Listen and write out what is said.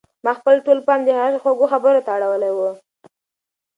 ما خپل ټول پام د هغې خوږو خبرو ته اړولی و.